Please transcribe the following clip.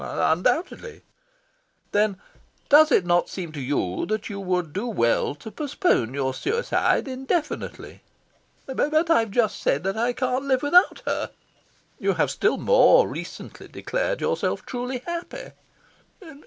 "Undoubtedly." "Then does it not seem to you that you would do well to postpone your suicide indefinitely?" "But I have just said I can't live without her." "You have still more recently declared yourself truly happy."